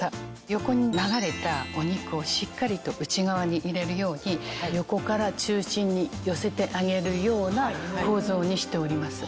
横に流れたお肉をしっかりと内側に入れるように横から中心に寄せてあげるような構造にしております。